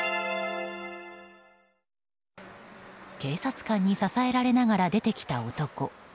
警察官に支えられながら出てきた男。